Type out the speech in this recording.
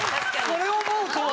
それを思うと。